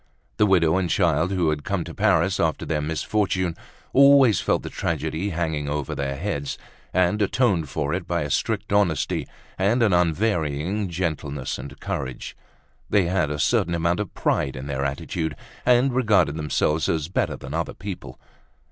The widow and child, who had come to Paris after their misfortune, always felt the tragedy hanging over their heads, and atoned for it by a strict honesty and an unvarying gentleness and courage. They had a certain amount of pride in their attitude and regarded themselves as better than other people.